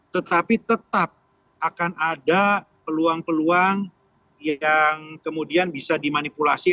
tetapi tetap akan ada peluang peluang yang kemudian bisa dimanipulasi